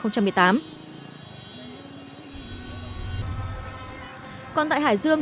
còn tại hải dương